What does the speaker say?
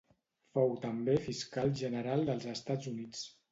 Fou també Fiscal General dels Estats Units.